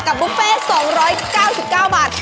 บุฟเฟ่๒๙๙บาท